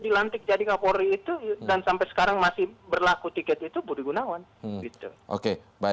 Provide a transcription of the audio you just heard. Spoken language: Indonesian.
dan sampai sekarang masih berlaku tiket itu budi gunawan